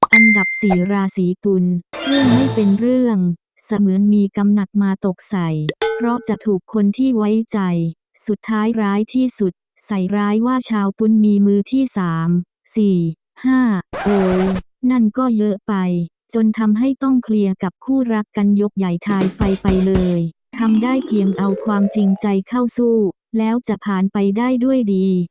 อันดับสี่ราศีกุลเรื่องไม่เป็นเรื่องเสมือนมีกำหนักมาตกใส่เพราะจะถูกคนที่ไว้ใจสุดท้ายร้ายที่สุดใส่ร้ายว่าชาวกุลมีมือที่๓๔๕โอ้นั่นก็เยอะไปจนทำให้ต้องเคลียร์กับคู่รักกันยกใหญ่ทายไฟไปเลยทำได้เพียงเอาความจริงใจเข้าสู้แล้วจะผ่านไปได้ด้วยดี